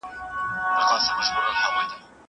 زه به سبا کتابونه وړم وم!